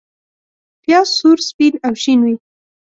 پیاز سور، سپین او شین وي